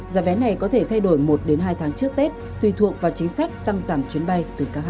giá vé này có thể thay đổi một đến hai tháng trước tết tùy thuộc vào chính sách tăng giảm chuyến bay